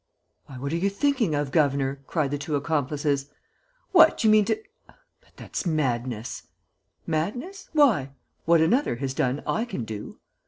"Why, what are you thinking of, governor?" cried the two accomplices. "What, you mean to.... But it's madness!" "Madness? Why? What another has done I can do."